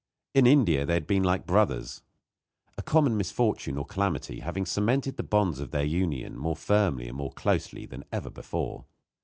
In India they had been like brothers, a common misfortune, or calamity, having cemented the bonds of their union more firmly and more closely than ever before.